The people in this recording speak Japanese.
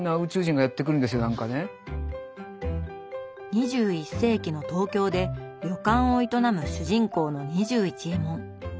２１世紀のトウキョウで旅館を営む主人公の２１エモン。